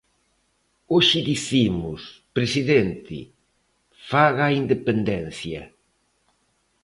Hoxe dicimos: "Presidente, faga a independencia!".